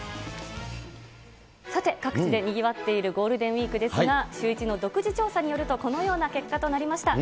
さて、各地でにぎわっているゴールデンウィークですが、シューイチの独自調査によると、このような結果となりました。